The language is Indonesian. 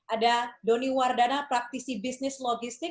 ada doni wardana praktisi bisnis logistik